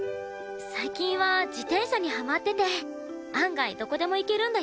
最近は自転車にハマってて案外どこでも行けるんだよ。